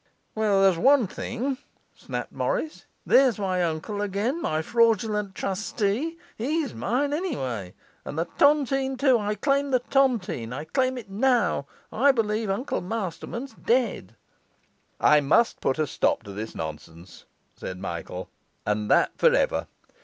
'Well, there's one thing,' snapped Morris; 'there's my uncle again, my fraudulent trustee. He's mine, anyway. And the tontine too. I claim the tontine; I claim it now. I believe Uncle Masterman's dead.' 'I must put a stop to this nonsense,' said Michael, 'and that for ever.